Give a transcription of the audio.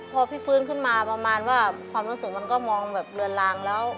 พอพี่ฟื้นขึ้นมาประมาณว่าความรู้สึกมันก็มองแบบเลือนลางแล้ว